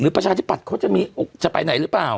หรือประชาชนิกปัสเขาจะไปไหนหรือเปล่า